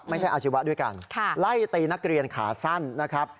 อาชีวะด้วยกันไล่ตีนักเรียนขาสั้นนะครับ